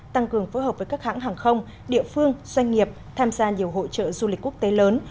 tăng cường phối hợp với các hãng hàng không địa phương doanh nghiệp tham gia nhiều hỗ trợ du lịch quốc tế lớn